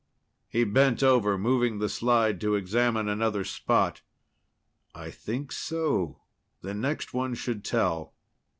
He bent over, moving the slide to examine another spot. "I think so. The next one should tell."